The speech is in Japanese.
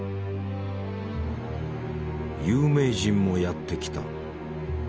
有名人もやって来た。